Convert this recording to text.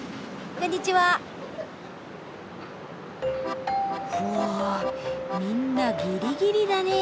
みんなギリギリだね。